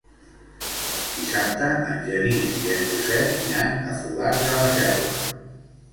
Dissabte en Genís i en Josep iran a Fogars de la Selva.